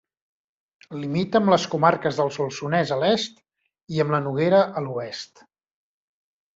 Limita amb les comarques del Solsonès a l'est i amb la Noguera a l'oest.